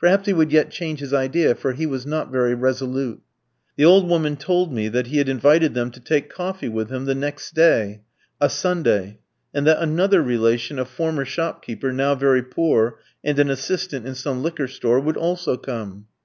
Perhaps he would yet change his idea, for he was not very resolute. The old woman told me that he had invited them to take coffee with him the next day, a Sunday, and that another relation, a former shopkeeper, now very poor, and an assistant in some liquor store, would also come.